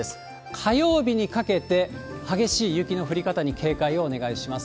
火曜日にかけて、激しい雪の降り方に警戒をお願いします。